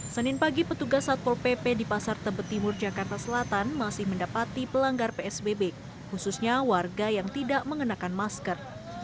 senin pagi petugas satpol pp di pasar tebet timur jakarta selatan masih mendapati pelanggar psbb khususnya warga yang tidak mengenakan masker